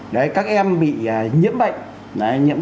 đấy các em bị nhiễm bệnh